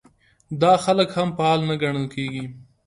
دا خلک هم فعال نه ګڼل کېږي.